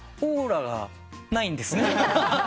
オーラがないんです。